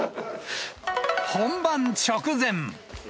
本番直前。